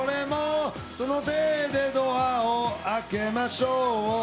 「その手でドアを開けましょう」